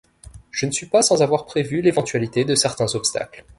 Je ne suis pas sans avoir prévu l’éventualité de certains obstacles.